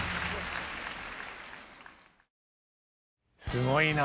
すごいな。